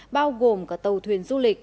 bao gồm cả tàu thuyền du lịch